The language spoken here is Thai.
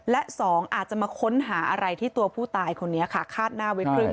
และสองอาจจะมาค้นหาอะไรที่ตัวผู้ตายคนนี้ค่ะคาดหน้าไว้ครึ่ง